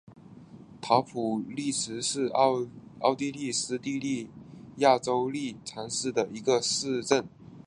陶普利茨是奥地利施蒂利亚州利岑县的一个市镇。